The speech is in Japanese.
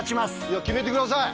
いや決めてください。